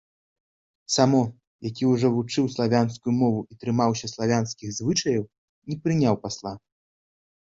Само, які ўжо вывучыў славянскую мову і трымаўся славянскіх звычаяў, не прыняў пасла.